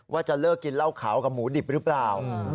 ว่าจะเลิกกินเหล้าขาวกับหมูดิบหรือเปล่า